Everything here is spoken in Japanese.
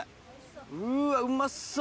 うわ、うまそう。